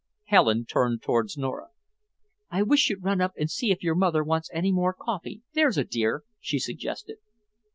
Helen turned towards Nora. "I wish you'd run up and see if your mother wants any more coffee, there's a dear," she suggested.